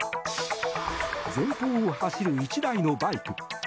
前方を走る１台のバイク。